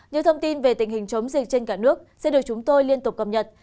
những thông tin về tình hình chống dịch trên cả nước sẽ được chúng tôi liên tục cập nhật